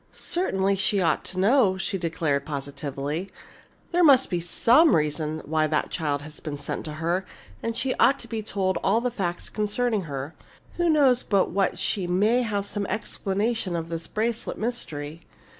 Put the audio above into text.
"Certainly, she ought to know!" she declared positively. "There must be some reason why that child has been sent to her, and she ought to be told all the facts concerning her. Who knows but what she may have some explanation of this bracelet mystery!